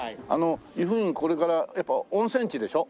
由布院これからやっぱ温泉地でしょ？